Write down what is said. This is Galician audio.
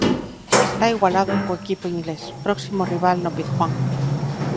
Está igualado co equipo inglés, próximo rival no Pizjuán.